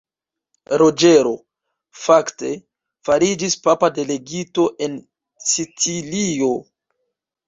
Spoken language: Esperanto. Roĝero, fakte, fariĝis papa delegito en Sicilio.